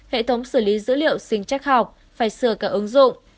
hệ thống xử lý dữ liệu sinh chắc học phải sửa cả ứng dụng